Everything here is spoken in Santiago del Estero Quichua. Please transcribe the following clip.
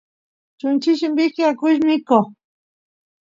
chunchilli mishki akush mikoq